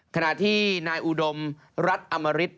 ขณะที่นายอุดมรัฐอมริต